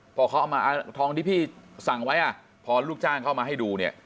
พอเขาเอามาทองที่พี่สั่งไว้พอลูกจ้างเข้ามาให้ดูเนี่ย